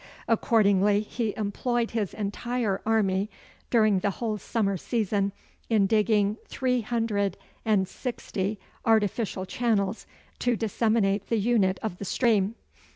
Accordingly he employed his entire army, during the whole summer season, in digging three hundred and sixty artificial channels to disseminate the unit of the stream.